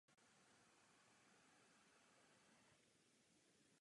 Tenká borka má světle hnědou barvu a je v mládí celkem tenká.